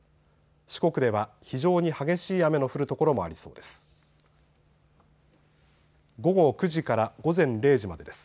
四国では非常に激しい雨の降る所もありそうです。